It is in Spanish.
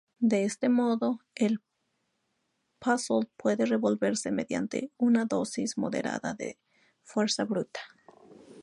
De este modo, el puzle puede resolverse mediante una dosis moderada de fuerza bruta.